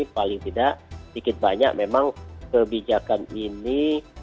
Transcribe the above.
paling tidak sedikit banyak memang kebijakan ini